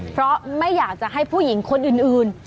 เพราะไม่อยากจะให้ผู้หญิงคนอื่น